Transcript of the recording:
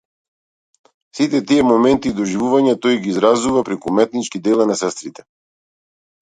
Сите тие моменти и доживувања тој ги изразува преку уметничките дела на сестрите.